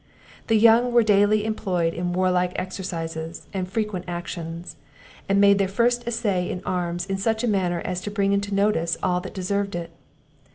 The youth were daily employed in warlike exercises, and frequent actions; and made their first essay in arms in such a manner as to bring into notice all that deserved it.